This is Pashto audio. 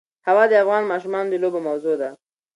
هوا د افغان ماشومانو د لوبو موضوع ده.